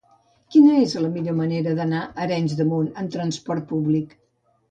Quina és la millor manera d'anar a Arenys de Munt amb trasport públic?